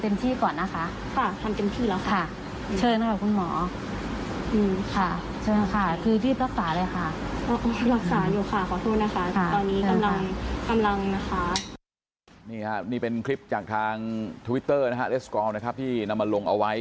นี่ค่ะนี่เป็นคลิปจากทางทวิตเตอร์นะฮะเลสกอร์นะครับที่นำมาลงเอาไว้